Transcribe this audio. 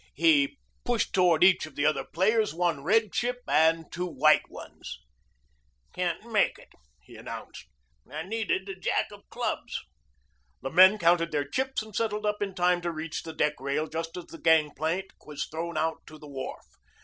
He pushed toward each of the other players one red chip and two white ones. "Can't make it," he announced. "I needed a jack of clubs." The men counted their chips and settled up in time to reach the deck rail just as the gangplank was thrown out to the wharf.